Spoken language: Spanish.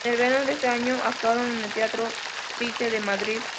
En el verano de este año actuaron en el Teatro Price de Madrid.